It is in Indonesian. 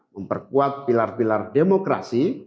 memperkuat pilar pilar demokrasi